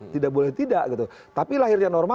tidak boleh tidak gitu tapi lahirnya norma